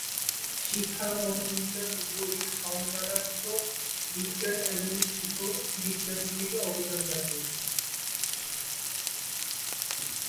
শিক্ষা মনোবিজ্ঞান উভয়ই সংজ্ঞানাত্মক বিজ্ঞান এবং শিখন বিজ্ঞান থেকে অবদান রাখে।